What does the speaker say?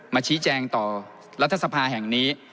ชี้แจงต่อรัฐสภาแห่งนี้